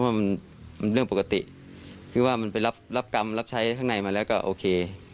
ว่ามันเรื่องปกติคือว่ามันไปรับกรรมรับใช้ข้างในมาแล้วก็โอเค